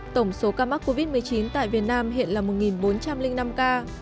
tổng số ca mắc covid một mươi chín tại việt nam hiện là một bốn trăm linh năm ca